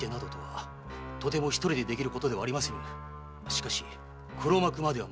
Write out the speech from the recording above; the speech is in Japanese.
しかし黒幕まではまだ。